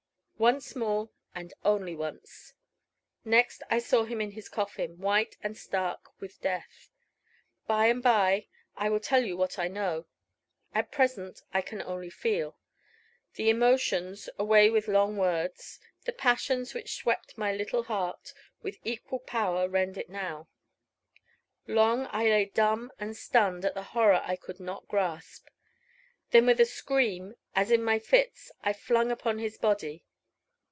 Once more and only once. Next I saw him in his coffin, white and stark with death. By and by I will tell what I know; at present I can only feel. The emotions away with long words the passions which swept my little heart, with equal power rend it now. Long I lay dumb and stunned at the horror I could not grasp. Then with a scream, as in my fits, I flung upon his body.